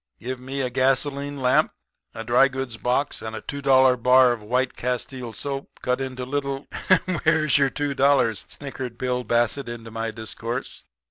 Give me a gasoline lamp, a dry goods box, and a two dollar bar of white castile soap, cut into little ' "'Where's your two dollars?' snickered Bill Bassett into my discourse.